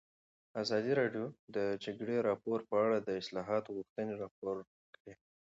ازادي راډیو د د جګړې راپورونه په اړه د اصلاحاتو غوښتنې راپور کړې.